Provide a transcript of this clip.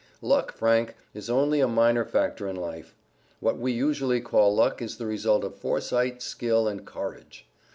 "Luck, Frank, is only a minor factor in life. What we usually call luck is the result of foresight, skill and courage.